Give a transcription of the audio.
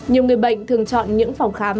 nhiều người bệnh thường chọn những phòng khám